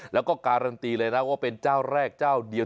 แล้วก็การันตีเลยนะว่าเป็นเจ้าแรกเจ้าเดียว